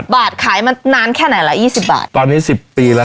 ๒๐บาทขายมานานแค่ไหนละ